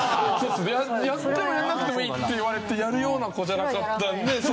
やってもやらなくてもいいって言われてやるような子じゃなかったので。